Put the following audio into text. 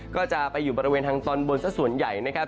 ก็จะไปอยู่บริเวณทางตอนบนสักส่วนใหญ่นะครับ